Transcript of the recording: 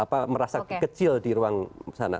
apa merasa kecil di ruang sana